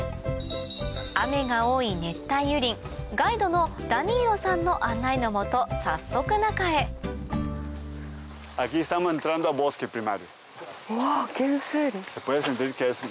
雨が多い熱帯雨林ガイドのダニーロさんの案内の下早速中へうわ原生林。